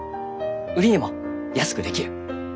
売値も安くできる。